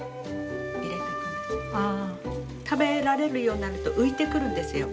食べられるようになると浮いてくるんですよ。